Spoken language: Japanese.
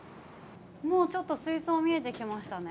もうちょっと水槽見えてきましたね。